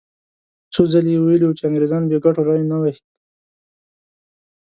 څو ځلې یې ویلي وو چې انګریزان بې ګټو ری نه وهي.